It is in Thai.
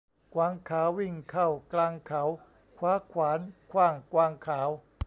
กวางขาววิ่งเข้ากลางเขา คว้าขวานขว้างกวางขาว